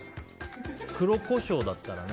黒コショウだったらね。